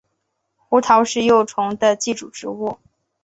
胡桃是幼虫的寄主植物。